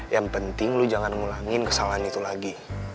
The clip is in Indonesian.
yang penting lu jangan ngulangin kesalahan itu lagi